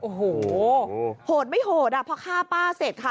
โอ้โหโหดไม่โหดอ่ะพอฆ่าป้าเสร็จค่ะ